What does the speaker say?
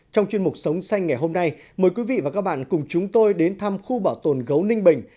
trong chuyên mục sống xanh ngày hôm nay mời quý vị và các bạn cùng chúng tôi đến thăm khu bảo tồn gấu ninh bình